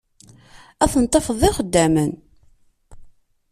Ad ten-tafeḍ d ixeddamen.